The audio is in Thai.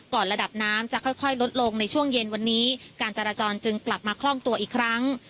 ระดับน้ำจะค่อยลดลงในช่วงเย็นวันนี้การจราจรจึงกลับมาคล่องตัวอีกครั้ง